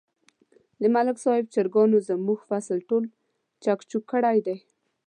د ملک صاحب چرگانو زموږ فصل ټول چک چوک کړی دی.